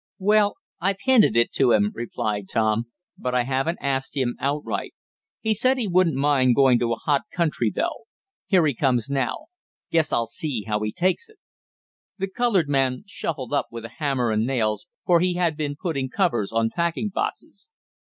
"Well, I've hinted it to him," replied Tom, "but I haven't asked him outright. He said he wouldn't mind going to a hot country though. Here he comes now. Guess I'll see how he takes it." The colored man shuffled up with a hammer and nails, for he had been putting covers on packing boxes.